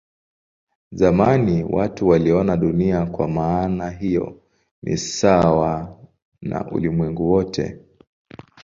Zamani watu waliona Dunia kwa maana hiyo ni sawa na ulimwengu wote.